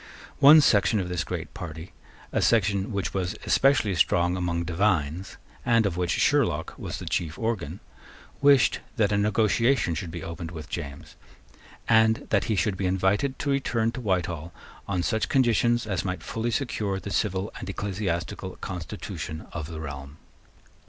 One section of this great party, a section which was especially strong among divines, and of which Sherlock was the chief organ, wished that a negotiation should be opened with James, and that he should be invited to return to Whitehall on such conditions as might fully secure the civil and ecclesiastical constitution of the realm.